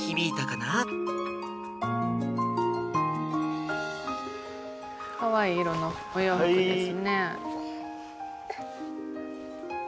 かわいい色のお洋服ですね。